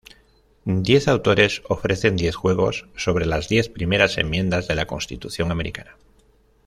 Diez autores ofrecen diez juegos sobre las diez primeras enmiendas de la constitución americana.